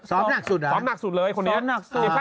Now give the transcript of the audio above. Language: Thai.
ซอฟน์หนักสุดอ่ะ